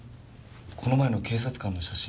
この前の警察官の写真。